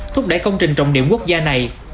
thúc đẩy công trình trọng điểm quốc gia này